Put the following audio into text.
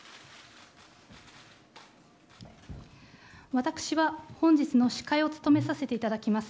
私は本日の司会を務めさせていただきます